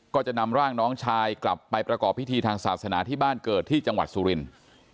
ก็จะนำร่างน้องชายกลับไปประกอบพิธีทางศาสนาที่บ้านเกิดที่จังหวัดสุรินทร์